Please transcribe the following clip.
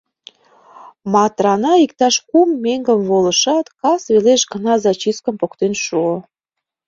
Матрана иктаж кум меҥгым волышат, кас велеш гына зачисткым поктен шуо.